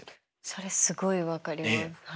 それすごい分かります。